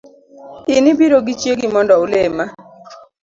In ibiro gi chiegi mondo ulima